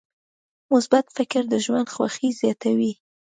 مثبت فکر د ژوند خوښي زیاتوي.